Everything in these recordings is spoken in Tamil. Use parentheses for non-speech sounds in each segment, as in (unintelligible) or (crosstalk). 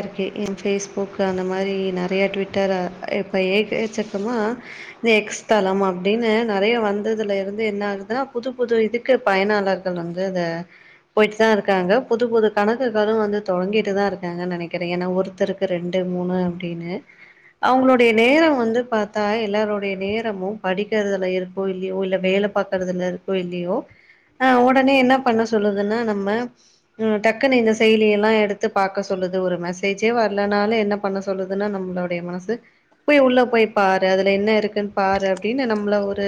இருக்கு என் ஃ பேஸ்புக் அந்த மாரி நெறைய ட்விட்டர இப்ப ஏகச்சக்கமா இந்த எக்ஸ்தலம் அப்டின்னு நெறைய வந்ததுல இருந்து என்ன ஆகுதுனா புது புது இதுக் கு பயனாளர்கள் வந்து அத போய்ட்தா இருக்காங்க புது புது கணக்குகளு வந்து தொடங்கிட்டு தா இருக் (unintelligible) நெனைக்கிறே ஏன்னா ஒருத்தருக்கு ரெண்டு மூணு அப்டின்னு அவுங்களோடைய நேரொ வந்து பாத்தா எல்லாருடைய நேரமு படிக்கிறதுல இருக்கோ இல்லையோ இல்ல வேல பாக்கறதுல இருக்கோ இல்லையோ ஆ ஒடனே என்ன பண்ண சொல்லுதுன்னா நம்ம ம் டக்குனு இந்த செயலிய எல்லா எடுத்து பாக் க்க சொல்லுது ஒரு மெசேஜே வரலனால என்ன பண்ண சொல்லுதுன்னா நம்மளுடைய மனசு போய் உள்ள போய் பாரு அதுல என்ன இருக்குன் பாரு அப்டின்னு நம்ள ஒரு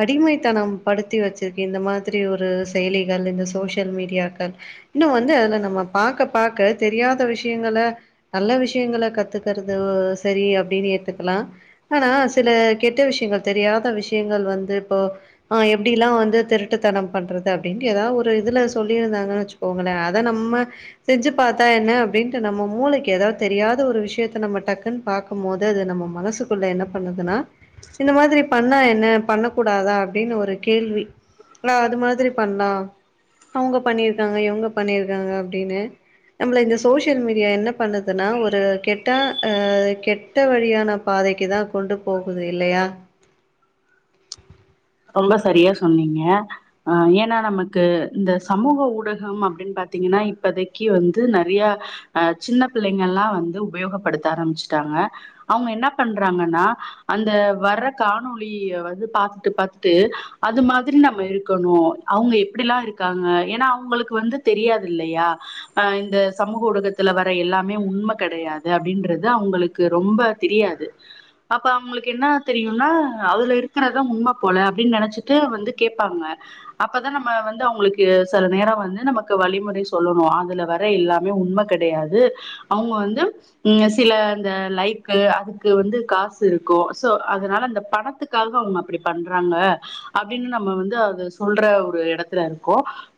அடிமைத்தனம் படுத்தி வச்சிருக்கு இந்த மாதிரி ஒரு செயலிகள் இந்த சோஷியல் மீடியாக்கள் இன்னு வந்து அதுல நம்ம பாக்க பாக்க தெரியாத விஷயங்கல நல்ல விஷயங்கல கத்துக்கறது சரி அப்டின்னு ஏத்துக்கலா ஆனா சில கெட்ட விஷயங்கள் தெரியாத விஷயங்கள் வந்து இப்போ ஆ எப்டிலா வந்து திருட்டுத்தனம் பண்றது அப்டின்ட்டு ஏதாவ் ஒரு இதுல சொல்லியிருந்தாங்கன்னு வச்சுக்கோங்களேன் அத நம்ம செஞ்சுப் பாத்தா என்ன அப்டின்ட்டு நம்ம மூளைக்கு எதாவ்து தெரியாத ஒரு விஷயத்த நம்ம டக்குன் பாக்கும் போது அது நம்ம மனசுக்கு குள்ள என்னா பண்ணதுன்னா இந்த மாதிரி பண்ணா என்ன பண்ண கூடாதா அப்டின்னு ஒரு கேள்வி நா அது மாதிரி பண்லா அவுங்க பண்ணிருக்காங்க இவுங்க பண்ணிருக்காங்க அப்டின்னு நம்மள இந்த சோஷியல் மீடியா என்ன பண்ணுதுன்னா ஒரு கெட்டா அ கெட்ட வழியான பாதைக்கு தா கொண்டு போகுது இல்லையா ரொம்ப சரியா சொன்னீங்க அ ஏன்னா நமக்கு இந்த சமூக ஊடகம் அப்டின் பாத்தீங்கன்னா இப்பதைக்கு வந்து நறையா அ சின்ன பிள்ளைங்கள்ளா வந்து உபயோகப்படுத்த ஆரம்ச்சுட்டாங்க அவுங்க என்னா பண்றாங்கன்னா அந்த வர்ற காணொலிய வந்து பாத்துட்டு பாத்துட் ட்டு அது மாதிரி நம்ம இருக்கணூ அவுங்க எப்டிலா இருக்காங்க ஏன்னா அவுங்களுக்கு வந்து தெரியாதுதில்லையா அ இந்த சமூக ஊடகத்துல வர எல்லாமே உண்ம கெடையாது அப்டின்றது அவுங்களுக்கு கு ரொம்ப தெரியாது அப்ப அவுங்களுக்கு என்ன தெரியுன்னா அதுல இருக்கறது தா உண்மப் போல அப்டின் நெனச்சிட்டு வந்து கேப்பாங்க அப்பதா நம்ம வந்து அவுங்களுக்கு செல நேரொ வந்து நமக்கு வழிமுறை சொல்லணு அதுல வர எல்லாமே உண்ம கெடையாது அவுங்க வந்து இங்க சில அந்த லைக்கு அதுக்கு வந்து காசு இருக்கூ சோ அதனால அந்த பணத்துக் க்காக அவுங்க அப்டி பண்றாங்க அப்டின்னு நம்ம வந்து அது சொல்ற ஒரு எடத்துல இருக்கோ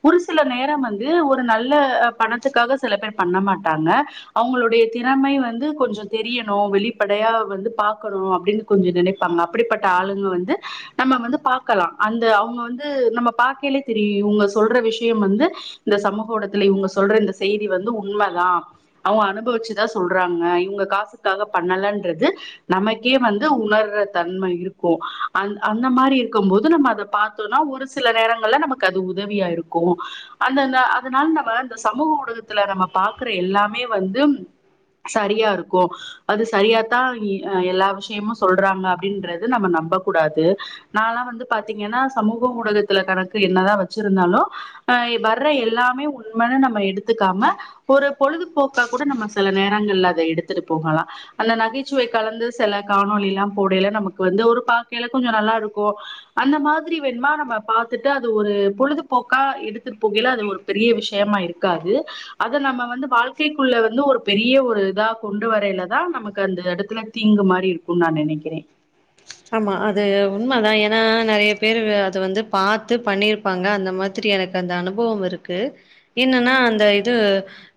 ஒரு சில நேரொ வந்து ஒரு நல்ல பணத்துக்காக சில பேர் பண்ண மாட்டாங்க அவங்களுடைய திறமை வந்து கொஞ்சொ தெரியணு வெளிப்படையா வந்து பாக்கணு அப்டின்னு கொஞ்சோ நெனைப்பாங்க அப்டிப்பட்ட ஆளுங்க வந்து நம்ம வந்து பாக்கலா அந்த அவுங்க வந்து நம்ம பாக்கையிலே தெரியு இவுங்க சொல்ற விஷயம் வந்து இந்த சமூக ஊடகத்துல இவுங்க சொல்ற இந்த செய்தி வந்து உண்மதா அவுங்க அனுபவிச்சுதா சொல்றாங்க இவுங்க காசுக்காக பண்ணலன்றது நமக்கே வந்து உணர்ற தன்ம இருக்கூ அந் அந்த மாரி இருக்கும் போது நம்ம அத பாத்தோனா ஒரு சில நேரங்கள்ல நமக்கு அது உதவியா இருக்கூ அந்தந்த அதனால நம்ம அந்த சமூக ஊடகத்துல நம்ம பாக்குற எல்லாமே வந்து சரியாருக்கூ அது சரியாதா அ எல்லா விஷயமு சொல்றாங்க அப்டின்றது நம்ம நம்ப கூடாது நாலா வந்து பாத்தீங்கன்னா சமூக ஊடகத்துல கணக்கு என்னதா வச்சிருந்தாலு அ வர்ற எல்லாமே உண்மன்னு நம்ம எடுத்துக்காம ஒரு பொழுதுப்போக்கா கூட நம்ம செல நேரங்கள்ல அத எடுத்துட்டு போகலா அந்த நகைச்சுவை கலந்து செல காணொலி எல்லாம் போடையில நமக்கு வந்து ஒரு பாக்கையில கொஞ்சொ நல்லாருக்கூ அந்த மாதிரி வேணுமா நம்ம பாத்துட்டு அது ஒரு பொழுதுப்போக்கா எடுத்துட்டு போகையில அது ஒரு பெரிய விஷயமா இருக்காது அத நம்ம வந்து வாழ்க்கைக்குள்ள வந்து ஒரு பெரிய ஒரு இதா கொண்டு வரைலதா நமக்கு அந்த எடத்துல தீங்கு மாரி இருக்கும் நா நெனைக்கிறே ஆமா அது உண்மதா ஏனா நெறைய பேரு வ அது வந்து பாத்து பண்ணீர் பாங்க அந்த மாதிரி எனக்கு அந்த அனுபவம் இருக்கு என்னன்னா அந்த இது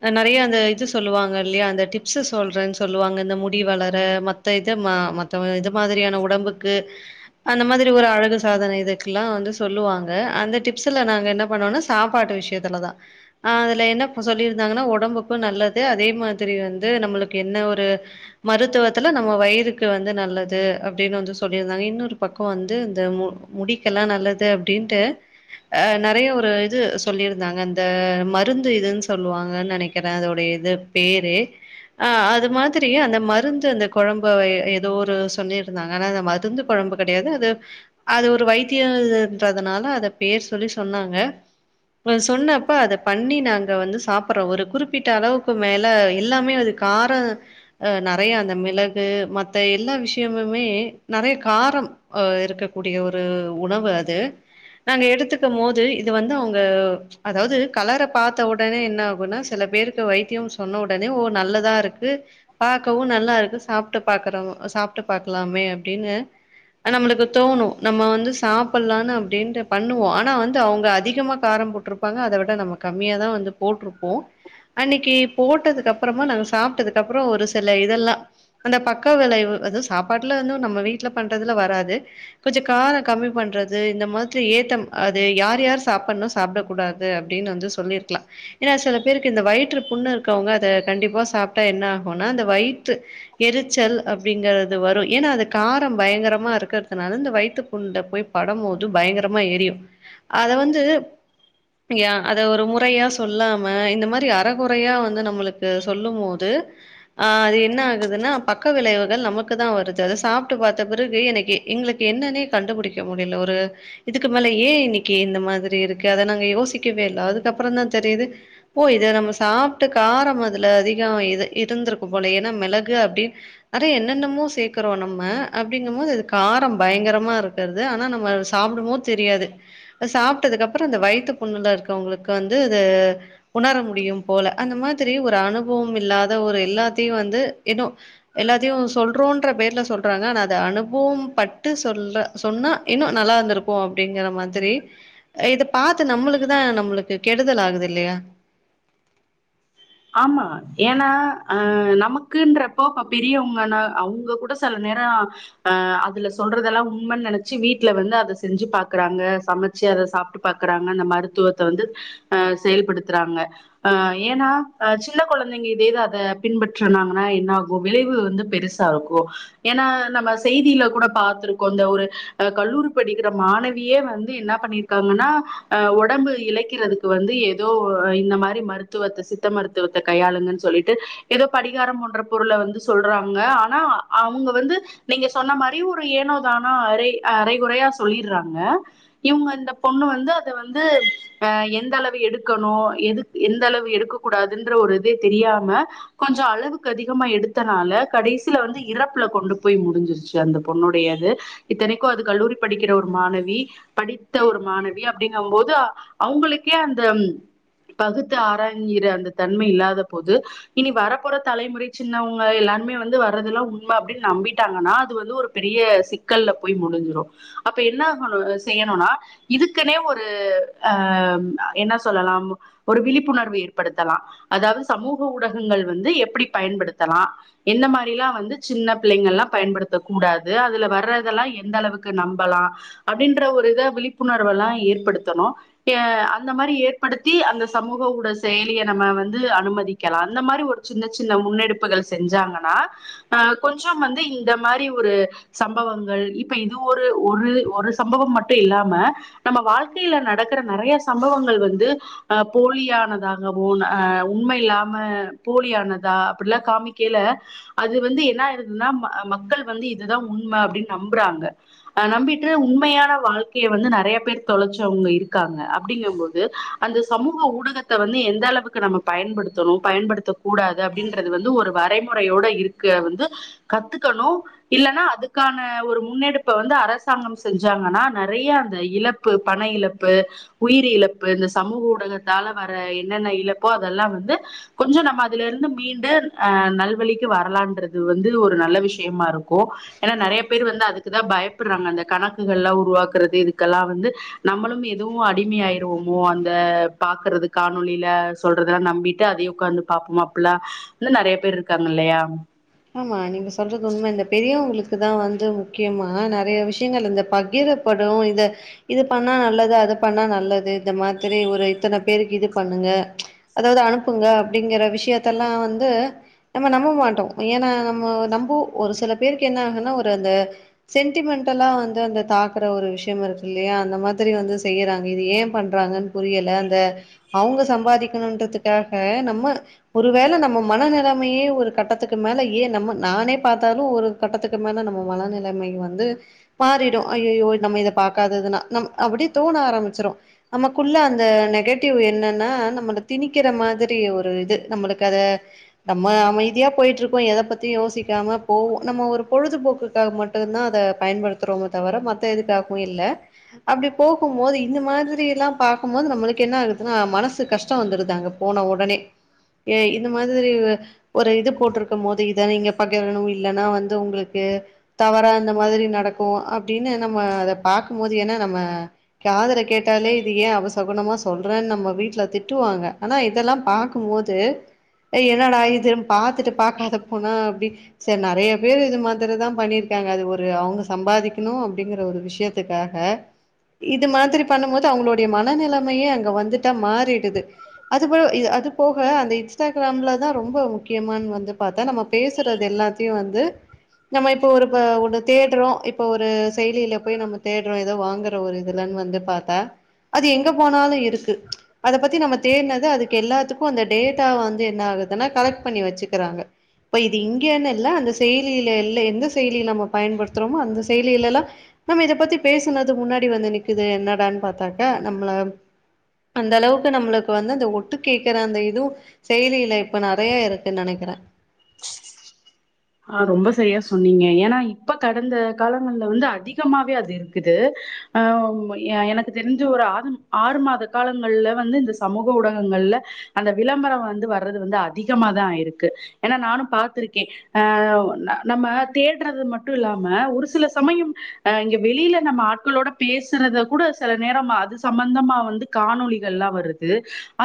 அ நெறைய அந்த இது சொல்லுவாங்கல்லியா அந்த டிப்ஸு சொல்றன் சொல்லுவாங்க இந்த முடி வளர மத் த இத ம மத்த அ இது மாதிரியான உடம்புக்கு அந்த மாதிரி ஒரு அழகு சாதனோ இதுக்கெல்லா வந்து சொல்லுவாங்க அந்த டிப்ஸுல நாங்க என்ன பண்ணுவோனா சாப்பாட்டு விஷ்ய த்துலதா ஆ அதுல என்ன சொல்லீர்ந்தாங்கனா ஒடம்புக்கு நல்லது அதே மாதிரி வந்து நம்மளுக்கு என்ன ஒரு மருத்துவத்துல நம்ம வயிறுக்கு வந்து நல்லது அப் டின் வந்து சொல்லீர்ந்தாங்க இன்னோர் பக்கோ வந்து இந்த மு முடிக்கெல்லா நல்லது அப்டின்ட்டு அ நெறைய ஒரு இது சொல்லீர்ந்தாங்க அந்த மருந்து இதுன் சொல்லுவாங்கன் நெனைக்கிறே அதோடைய இது பேரு ஆ அது மாதிரி அந்த மருந்து அந்த கொழம்பு அ எதோ ஒரு சொல்லீ ருந்தாங்க ஆனா அந்த மருந்து கொழம்பு கெடையாது அது அது ஒரு வைத்திய ல் ன்றதுனால அத பேர் சொல்லி சொன்னாங்க அத சொன்னப்ப அத பண்ணி நாங்க வந்து சாப்பட்றோ ஒரு குறிப்பிட்ட அளவுக்கு மேல எல்லாமே அது காரோ அ நெறைய அந்த மிளகு மத்த எல்லா விஷ்ய முமே நெறைய காரம் அ இருக்கக்கூடிய ஒரு உணவு அது நாங்க எடுத்துக்கம்மோது இது வந்து அவுங்க அதாவ்து கலர பாத்த உடனே என்ன ஆகுன்னா சில பேருக்கு வைத்தியம் சொன்ன உடனே ஓ நல்லதா இருக்கு பாக்கவு நல்லாருக்கு சாப்ட்டு பாக்கறவ்ங்க அ சாப்ட்டு பாக்கலாமே அப்டினு அத் நம்மளுக்கு தோணு நம்ம வந்து சாப்பட்லான்னு அப்டின்ட்டு பண்ணுவோ ஆனா வந்து அவுங்க அதிகமா காரம் போட்ரு ப்பாங்க அத விட நம்ம கம்மியா தா வந்து போட்ருப்போ அன்னிக்கி போட்டதுக்கப்பறமா நாங்க சாப்ட்டதுக்கப்பறோ ஒரு சில இதெல்லா அந்த பக்க விளைவு அது சாப்பாட்லர்ந்து நம்ம வீட்ல பண்றதுல வராது கொஞ்சோ காரோ கம்மி பண்றது இந்த மாதிரி ஏத்தம் அது யார் யார் சாப்பட்ணு சாப்டக் கூடாது அப்டின் வந்து சொல்லீர்க்கலா ஏனா சில பேருக்கு இந்த வயிற்று புண்ணு இருக்கவுங்க அத கண்டிப்பா சாப்ட்டா என்ன ஆகுன்னா அந்த வய்த்து எரிச்சல் அப்டிங்கற து வரு ஏனா அது காரம் பயங்கரமா இருக்கற்துனால இந்த வய்த்து புண்ட்ட போய் பட மோது பயங்கரமா எரியு அத வந்து யா அத ஒரு முறையா சொல்லாம இந்த மாரி அறகொறையா வந்து நம்மளுக்கு சொல்லும்மோது ஆ அது என்ன ஆகுதுன்னா பக்க விளைவுகள் நமக் கு தா வருது அத சாப்ட்டு பாத்த பிறகு எனக்கு எங்ளுக்கு என்னனே கண்டுபுடிக்க முடில ஒரு இதுக்கு மேல ஏ இன்னிக்கி இந்த மாதிரி இருக்கு அத நாங்க யோசிக்கவே இல்ல அதுக்கப்பறந்தா தெரியிது ஓ இது நம்ம சாப்ட்டு காரம் அதுல அதிகோ இது இருந்திருக்கும்போல ஏனா மிளகு அப்டி அதா என் னென்னமோ சேக்கறோ நம்ம அப்டிங்கம்மோது அது காரம் பயங்கரமா இருக்கற்து ஆனா நம்ம சாப்டும்மோது தெரியாது அது சாப்ட்டதுக்கப்பறோ அந்த வய்த்து புண்ணுலா இருக்கவுங்களுக் வந்து அது உணர முடியும் போல அந்த மாதிரி ஒரு அனுபவம் இல்லாத ஒரு எல்லாத்தையு வந்து இன்னு எல்லாத்தையு சொல்றோன்ற பேர்ல சொல்றாங்க ஆனா அது அனுபவம் பட்டு சொல்ல சொன்னா இன்னு நல்லாருந்திருக் கு அப்டிங்கிற மாதிரி இத பாத்து நம்மளுக்குதா நம்மளுக்கு கெடுதல் ஆகுது இல்லியா ஆமா ஏனா அ நமக்குன்றப்போ ப பெரியவங்கன்னா அவுங்க கூட செல நேரோ அ அதுல சொல்றதெல்லா உண்மைன்னு நெனைச்சு வீட்டுல வந்து அத செஞ்சு பாக்குறாங்க சம ச்சி அத சாப்ட்டு பாக்குறாங்க அந்த மருத்துவத்த வந்து அ செயல்படுத்துறாங்க அ ஏன்னா அ சின்ன கொழந்தைங்க இதேத அத பின்பற்றுனாங்கன்னா என்ன ஆகு விளைவு வந்து பெருசா இருக்கு ஏன்னா நம்ம செய்தில கூட பாத்திருக்கோ இந்த ஒரு அ கல்லூரி படிக்கற மாணவியே வந்து இன்னா பண்ணிரு க்காங்கன்னா அ ஒடம்பு இலக்கிறதுக்கு வந்து ஏதோ இந்த மாரி மருத்துவத்த சித் த்த மருத்துவத்த கையாளுங்கன்னு சொல்லுட்டு ஏதோ படிகார போன்ற பொருள வந்து சொல்றாங்க ஆனா அவுங்க வந்து நீங்க சொன்ன மாரி ஒரு ஏனோ தானோ அரை அரைகுறையா சொல்லிட்றாங்க இவுங்க அந்த பொண்ணு வந்து அத வந்து அ எந்த அளவு எடுக்கணு எதுக் எந்த அளவு எடுக்க கூடாதுன்ற ஒரு இதே தெரியாம கொஞ்சோ அளவுக்கு அதிகமா எடுத்தனால கடைசில வந்து இறப்புல கொண்டு போய் முடிஞ்சிருச்சு அந்த பொண்ணோடையது இத்தனைக்கு அது கல்லூரி படிக்கற ஒரு மாணவி படித்த ஒரு மாணவி அப்டிங்க போது அவுங்களுக்கே அந்த பகுத்து ஆராய் யிற அந்த தன்மை இல்லாத போது இனி வரப்போற தலைமுறை சின்னவங்க எல்லாருமே வந்து வர்றதுெல்லா உண்ம அப்டின்னு நம்பிட்டாங்கன்னா அது வந்து ஒரு பெரிய சிக்கல்ல போய் முடிஞ்சிரு அப்ப என்ன ஆகு செய்யணும்னா இதுக்குன்னே ஒரு அ என்ன சொல்லலா ஒரு விழிப்புணர்வு ஏற் படுத்தலாம் அதாவ்து சமூக ஊடகங்கள் வந்து எப்டி பயன்படுத்தலா எந்த மாரிலா வந்து சின்ன பிள்ளைங்கள்ல்லா பயன்படுத்த கூடாது அதுல வர்றதெல்லா எந்த அளவுக்கு நம்பலா அப்டின்ற ஒரு இத விழிப்புணர்வல்லா ஏற்படுத்தணு அ அந்த மாரி ஏற்படுத்தி அந்த சமூக ஊட செயலிய நம்ம வந்து அனுமதிக்கலா அந்த மாரி ஒரு சின்ன சின்ன முன்னெடுப்புகள் செஞ்சாங்கன்னா அ கொஞ்ச வந்து இந்த மாரி ஒரு சம்பவங்கள் இப்ப இது ஒரு ஒரு ஒரு சம்பவோ மட்டு இல்லாம நம்ம வாழ்க்கைல நடக்கற நறைய சம்பவங்கள் வந்து அ போலியானதா கவோ அ உண்ம இல்லாம போலியானதா அப்டிலா காமிக்கைல அது வந்து என்ன ஆயிடுதுன்னா ம மக்கள் வந்து இது தா உண்ம அப்டின்னு நம்பறாங்க அ நம்பிட்டு உண்மையான வாழ்க்கைய வந்து நறைய பேர் தொலைச்சுவங்க இருக்காங்க அப்டிங்கு போது அந்த சமூக ஊடகத்த வந்து எந் தளவுக்கு நம்ம பயன்படுத்தணும் பயன்படுத்த கூடாது அப்டின்றது வந்து ஒரு வரைமுறையோட இருக்க வந்து கத்துக்கணு இல்லன்னா அதுக்கான ஒரு முன்னெடுப்ப வந்து அரசாங்க செஞ்சாங்கன்னா நறைய அந்த இழப் பு பண இழப்பு உயிர் இழப்பு இந்த சமூக ஊடகத்தால வர என்னென்ன இழப்போ அதெல்லா வந்து கொஞ்ச நம்ம அதுல இருந்து மீண்ட அ நல்வழிக்கு வரலான்ரது வந்து ஒரு நல்ல விஷ்யமாருக் கோ ஏன்னா நெறைய பேர் வந்து அதுக்குதா பயப்பர்றாங்க அந்த கணக்குகள்ல்லா உருவாக்கறது இதுக்கல்லா வந்து நம்மளு இதுவு அடிமையாயிருவோமோ அந்த பாக்குறதுக்கா னொலில சொல்றதெல்லா நம்பிட்டு அதே உக்காந்து பாப்போமா அப்பல்லா இன்னு நெறைய பேர் இருக்காங்க இல்லையா ஆமா நீங்க சொல்றது உண்ம இந்த பெரியவங்களுக்கு தா வந்து முக்கியமா நெறைய விஷ்யங்கள் இந்த பகிர படு இத இது பண்ணா நல்லது அது பண்ணா நல்லது இந்த மாதிரி ஒரு இத்தன பேருக்கு இது பண்ணுங்க அதாவ்து அனுப்புங்க அப்டிங்கற விஷயத்தெல்லா வந்து நம்ம நம்ப மாட்டோ ஏன்னா நம்ம நம்போ ஒரு சில பேருக்கு என்ன ஆகுன்னா ஒரு அந்த சென்டிமென்ண்டலா வந்து அந்த தாக்குற ஒரு விஷ்யோ இருக்கு இல்லையா அந்த மாதிரி வந்து செய்யுறாங்க இது ஏ பண்றாங்கன் புரியல அந்த அவுங்க சம்பாதிக்கணும் இன்றதுக்காக நம்ம ஒரு வேள நம்ம மன நெலமையே ஒரு கட்ட ட்டத்துக்கு மேல ஏ நம்ம நானே பாத்தாலு ஒரு கட்டத்துக்கு மேல நம்ம மன நெலைமை வந்து மாறிடு அய்யய்யோ இது நம்ம இத பாக்காததுன்னா நம் அப்டி தோண ஆரமிச்சிரு நமக்குள்ள அந்த நெகட்டிவ் என்னன்னா நம்மள திணிக்கற மாதிரி ஒரு இது நம்மளுக்கு அத நம்ம அமைதியா போயிட்டிருக்கோ எத பத்தியு யோசிக்காம போவோ நம்ம ஒரு பொழுதுபோக்குக்காக மட்டு தா அத பயன்படுத் துறோமோ தவர மத்த எதுக்காக்வு இல்ல அப்டி போகுமோது இந்த மாதிரில்லா பாக்குமோது நம்மளுக்கு என்ன ஆகுதுன்னா மனசு கஷ்டோ வந்துருதாங்க போன ஒடனே ஏ இந்த மாதிரி ஒரு இது போட்டுருக்கும்போது இதா நீங்க பகிரணு இல்லன்னா வந்து உங்களுக்கு தவறா இந்த மாதிரி நடக்கு அப்டின்னு நம்ம அத பாக்கும்போது ஏனா நம்ம காதுர கேட்டாலே இப்டி அபசகுனமா சொல்றன்னு நம்ம வீட்ல திட்டுவாங்க ஆனா இதெல்லா பாக் க்கும் போது என்னடா இதும் பாத்துட்டு பாக்காத போனா அப்டி செரி நறைய பேரு இது மாதிரிதா பண்ணிருக்காங்க அது ஒரு அவங்க சம்பாதிக்கணு அப்டிங்கிற ஒரு விஷயத் த்துக்காக இது மாதிரி பண்ணும்போது அவுங்களுடைய மன நெலைமையே அங்க வந்துட்டா மாறிடுது அதுபோ இது அது போக அந்த இன்ஸ்டாக்ராம்ல தா ரொம்ப முக்கியமான் வந்து பாத்தா நம்ம பேசுறது எல்லாத்தையு வந்து நம்ம இப்ப ஒரு ப ஒன்னு தேட்ரோ இப்ப ஒரு செயலியில போய் நம்ம தேட்ரோ எதோ வாங்குற ஒரு இதுலன் வந்து பாத்தா அது எங்க போனாலு இருக்கு அத பத்தி நம்ம தேட்னத அதுக்கு எல்லாத்துக்கு அந்த டேட்டா வந்து என்ன ஆகுதுன்னா கலெக்ட் பண்ணி வச்சுக்கிறாங்க இப்ப இது இங்கேன்னு இல்ல அந்த செயலியில எல்ல எந்த செயலிய நம்ம பயன்படுத்துறோமோ அந்த செயலில எல்லா நம்ம இத பத்தி பேசனது முன்னாடி வந்து நிக்குது என்னடான் பாத்தாக்கா நம்மள அந்த அளவுக்கு நம்ளுக்கு வந்து அந்த ஒட்டு கேக்குற அந்த இதூ செயலியில இப்ப நெறைய இருக்குன் நெனைக்கிறே ஆ ரொம்ப சரியா சொன்னீங்க ஏன்னா இப்ப கடந்த காலங்கள்ல வந்து அதிகமாவே அது இருக்குது ஆம் ய எனக்கு தெரிஞ்ச ஒரு ஆதும் ஆறு மாத காலங்கள்ல வந்து இந்த சமூக ஊடகங்கள்ல அந்த விளம்பரோ வந்து வர்றது வந்து அதிகமாதா ஆயிருக்கு ஏன்னா நானு பாத்திருக்கே ஆவ் ந நம்ம தேட்றது மட்டு இல்லாம ஒரு சில சமயம் அ இங்க வெளியில நம்ம ஆட்களோட பேசுறத கூட சில நேரமா அது சம்பந்தமா வந்து காணொலிகள்லா வருது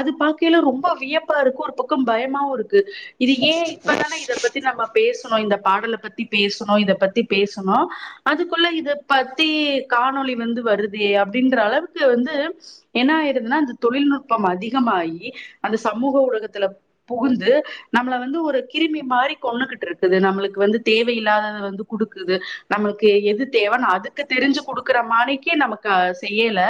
அது பாக்கையில ரொம்ப வியப்பாருக்கு ஒரு பக்கம் பயமாவு இருக்கு இது ஏ இப்பதானே இத பத்தி நம்ம பேசணு இந்த பாடல பத்தி பேசணு இத பத்தி பேசணு அதுக்குள்ள இத பத்தி காணொளி வந்து வருதே அப்டின்ற அளவுக்கு வந்து என்னா ஆயிடுதுன்னா இந்த தொழில்நுட்பம் அதிகமாயி அந்த சமூக ஊடகத்துல புகுந்து நம்மள வந்து ஒரு கிருமி மாரி கொண்ணுக்குட் ட்ருக்குது நம்மளுக்கு வந்து தேவையில்லாதத வந்து குடுக்குது நம்மளுக்கு எது தேவன் அது த தெரிஞ்சு குடுக்குற மானிக்கு நமக்கு அ செய்யல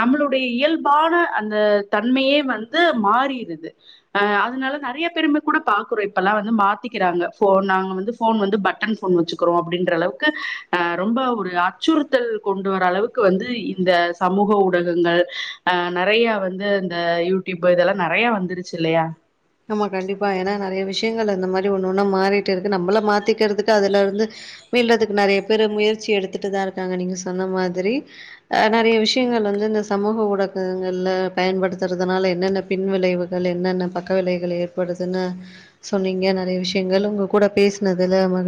நம்மளுடைய இயல்பான அந்த தன்மையே வந்து மாறிருது அ அதனால நெறைய பேரும கூட பாக்குரோ இப்பல்லா வந்து மாத்திக்கிறாங்க ஃபோன் நாங்க வந்து ஃபோன் வந்து பட்டன் ஃபோன் வச்சிக்குறோ அப்டின்ற அளவுக்கு அ ரொம்ப ஒரு ஆ அச்சுறுத்தல் கொண்டு வர அளவுக்கு வந்து இந்த சமூக ஊடகங்க அ நெறைய வந்து இந்த யூடியூப் இதெல்லா நெறைய வந்துருச்சு இல்லையா ஆமா கண்டிப்பா ஏன்னா நெறைய விஷயங்கள் அந்த மாரி ஒன்னு ஒன்னு மாறிட்டு இருக்கு நம்மள மாத்திக்கிறதுக்கு அதுல இருந்து மீள்றதுக்கு நெறைய பேரு முயற்சி எடுத்துட்டுதா இருக்காங்க நீங்க சொன்ன மாதிரி அ நெறைய விஷயங்கள் வந்து இந்த சமூக ஊடகங்கள்ல பயன்படுத்துறதுனால என்னென்ன பின் விளைவுகள் என்னென்ன ப க்க விளைவுகள் ஏற்படுதுன்னு சொன்னீங்க நெறைய விஷயங்கள் உங்க கூட பேசினதுல மகிழ்